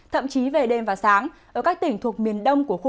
thậm chí về đêm và sáng ở các tỉnh thuộc miền đông của quốc gia